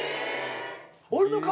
俺の顔